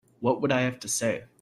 What would I have to say?